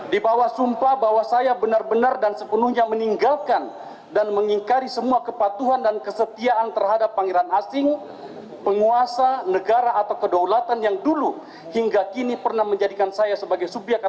di bawah sumpah bahwa saya benar benar dan sepenuhnya meninggalkan dan mengingkari semua kepatuhan dan kesetiaan terhadap pangeran asing penguasa negara atau kedaulatan yang dulu hingga kini pernah menjadikan saya sebagai subyek